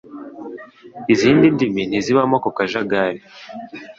izindi ndimi ntizibamo ako kajagari